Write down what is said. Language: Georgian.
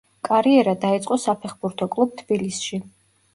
კარიერა დაიწყო საფეხბურთო კლუბ „თბილისში“.